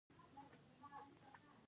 پسه د افغانستان په طبیعت کې مهم رول لري.